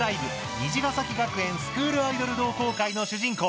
虹ヶ咲学園スクールアイドル同好会」の主人公